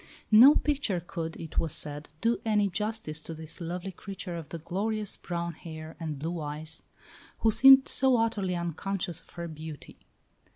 No picture could, it was said, do any justice to this lovely creature of the glorious brown hair and blue eyes, who seemed so utterly unconscious of her beauty.